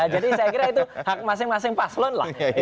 jadi saya kira itu masing masing paslon lah